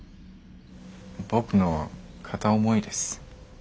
僕の片思いです。